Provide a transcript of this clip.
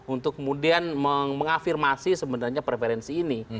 untuk kemudian mengafirmasi sebenarnya preferensi ini